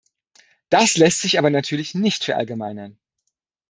Das lässt sich aber natürlich nicht verallgemeinern.